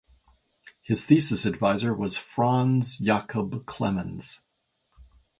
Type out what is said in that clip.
His thesis advisor was Franz Jakob Clemens.